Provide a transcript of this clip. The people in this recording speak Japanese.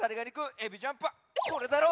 エビジャンプはこれだろ？